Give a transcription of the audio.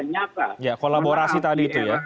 nyata ya kolaborasi tadi itu ya